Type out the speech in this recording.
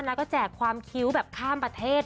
แล้วก็แจกความคิ้วแบบข้ามประเทศ